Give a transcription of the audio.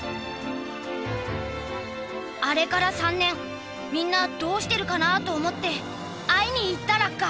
あれから３年みんなどうしてるかなと思って会いに行ったラッカ。